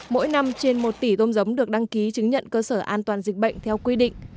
mỗi năm trên một tỷ tôm giống được đăng ký chứng nhận cơ sở an toàn dịch bệnh theo quy định